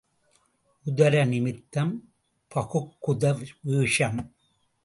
உதர நிமித்தம் பகுக்குத வேஷம்.